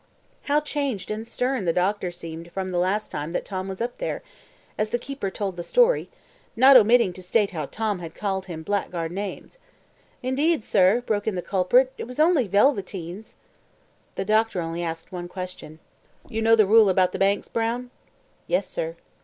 How changed and stern the Doctor seemed from the last time that Tom was up there, as the keeper told the story, not omitting to state how Tom had called him blackguard names. "Indeed, sir," broke in the culprit, "it was only Velveteens." The Doctor only asked one question. "You know the rule about the banks, Brown?" "Yes, sir."